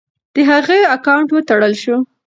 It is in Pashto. د هغې اکاونټ وتړل شو.